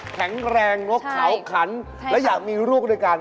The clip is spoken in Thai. คนละบ้านไอ้บ้าน